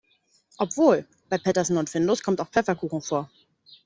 Obwohl, bei Petersen und Findus kommt auch Pfefferkuchen vor.